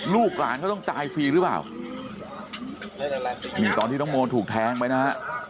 ลูกหลานเขาต้องตายฟรีหรือเปล่านี่ตอนที่น้องโมถูกแทงไปนะฮะ